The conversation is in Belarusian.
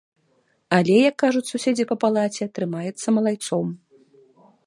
Але, як кажуць суседзі па палаце, трымаецца малайцом.